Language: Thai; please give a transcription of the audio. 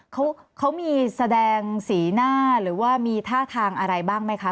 เขาเขามีแสดงสีหน้าหรือว่ามีท่าทางอะไรบ้างไหมคะ